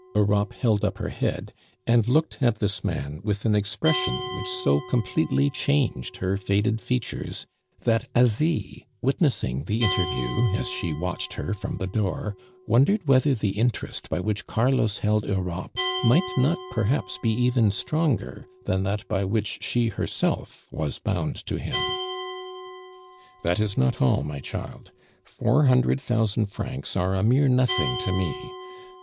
Europe held up her head, and looked at this man with an expression which so completely changed her faded features, that Asie, witnessing the interview, as she watched her from the door, wondered whether the interest by which Carlos held Europe might not perhaps be even stronger than that by which she herself was bound to him. "That is not all, my child. Four hundred thousand francs are a mere nothing to me.